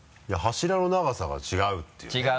いや柱の長さが違うっていうね。